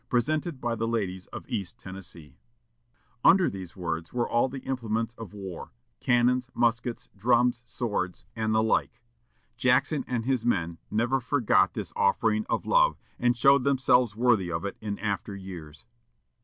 Presented by the ladies of East Tennessee." Under these words were all the implements of war; cannons, muskets, drums, swords, and the like. Jackson and his men never forgot this offering of love, and showed themselves worthy of it in after years.